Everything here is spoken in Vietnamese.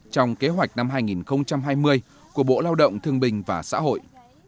trong kế hoạch năm hai nghìn hai mươi của bộ lao động thương bình và xã hội